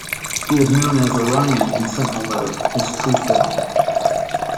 He is known as Orion in sentinel mode, his true form.